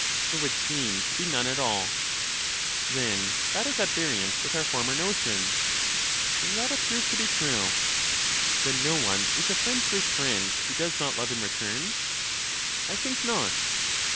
There would seem to be none at all. Then that is at variance with our former notion. LYSIS 63 That appears to be true. Then no one is a friend to his friend who does not love in return? I think not.